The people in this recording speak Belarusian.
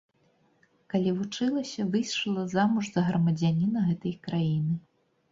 Калі вучылася, выйшла замуж за грамадзяніна гэтай краіны.